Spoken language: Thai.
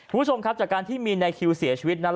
คุณผู้ชมครับจากการที่มีในคิวเสียชีวิตนั้น